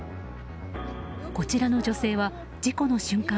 こちらの女性は事故の瞬間